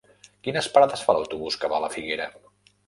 Quines parades fa l'autobús que va a la Figuera?